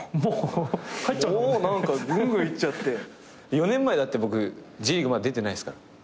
４年前だって僕Ｊリーグまだ出てないですから。